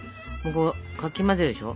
かき混ぜるでしょ。